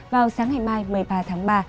vào sáng ngày mai một mươi ba tháng ba